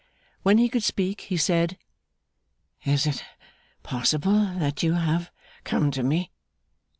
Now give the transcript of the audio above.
When he could speak, he said, 'Is it possible that you have come to me?